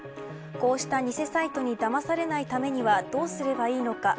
こうした偽サイトにだまされないためにはどうすればいいのか。